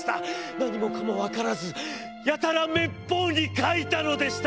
何もかもわからずやたら滅法に描いたのでした。